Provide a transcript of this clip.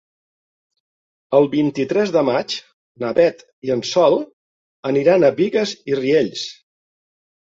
El vint-i-tres de maig na Beth i en Sol aniran a Bigues i Riells.